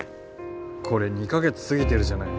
これ２か月過ぎてるじゃない。